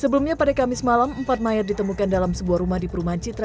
sebelumnya pada kamis malam empat mayat ditemukan dalam sebuah rumah di perumahan citra